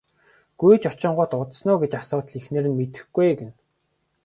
Гүйж очингуут удсан уу гэж асуутал эхнэр нь мэдэхгүй ээ гэнэ.